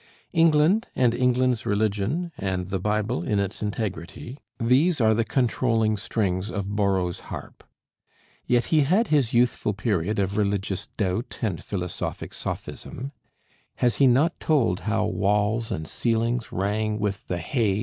England, and England's religion, and the Bible in its integrity, these are the controlling strings of Borrow's harp. Yet he had his youthful period of religious doubt and philosophic sophism: has he not told how walls and ceilings rang with the "Hey!"